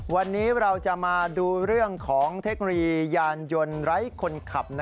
วันนี้เราจะมาดูเรื่องของเทคโนโลยียานยนต์ไร้คนขับ